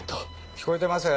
聞こえてます？